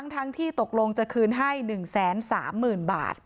ทั้งที่ตกลงจะคืนให้หนึ่งแสนสามหมื่นบาท